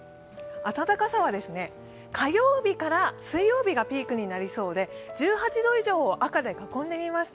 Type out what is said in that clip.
暖かさは火曜日から水曜日がピークになりそうで１８度以上を赤で囲んでみました。